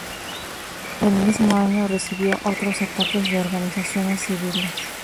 El mismo año recibió otros ataques de organizaciones civiles.